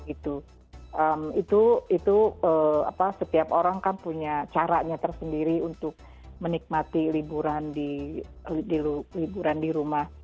itu setiap orang kan punya caranya tersendiri untuk menikmati liburan di liburan di rumah